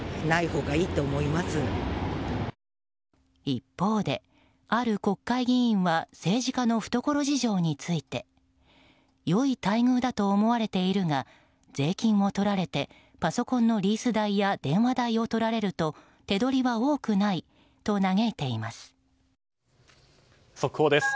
一方で、ある国会議員は政治家の懐事情について良い待遇だと思われているが税金を取られてパソコンのリース代や電話代を取られると手取りは多くないと嘆いています。